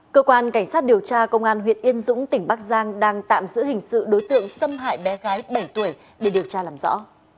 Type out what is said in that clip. cơ quan cảnh sát điều tra công an huyện yên dũng tỉnh bắc giang đang tạm giữ hình sự đối tượng xâm hại bé gái bảy tuổi để điều tra làm rõ